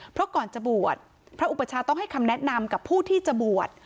เพราะก่อนจะบวชพระอุปชาต้องให้คำแนะนำกับผู้ที่จะบวช